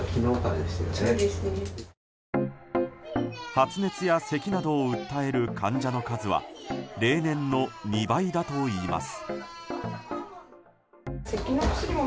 発熱やせきなどを訴える患者の数は例年の２倍だといいます。